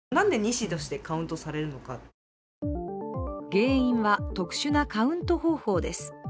原因は特殊なカウント方法です。